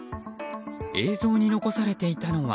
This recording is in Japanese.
映像に残されていたのは。